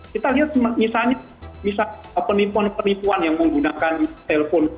kita lihat misalnya penipuan penipuan yang menggunakan telepon